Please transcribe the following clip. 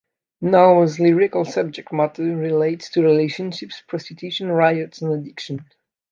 Nowell's lyrical subject matter relates to relationships, prostitution, riots, and addiction.